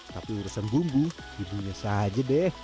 tapi urusan bumbu hidupnya sahaja deh